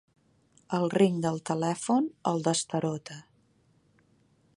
El ring del telèfon el destarota.